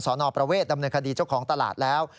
นประเวทดำเนินคดีเจ้าของตลาดแล้ว